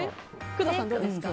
工藤さん、どうですか？